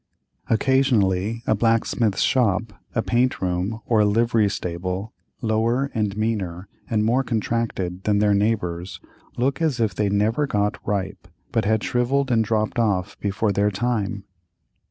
Occasionally a blacksmith's shop, a paint room, or a livery stable, lower or meaner and more contracted than their neighbors, look as if they never got ripe, but had shrivelled and dropped off before their time.